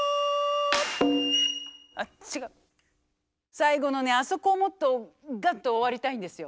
最後のねあそこをもっとガッと終わりたいんですよ。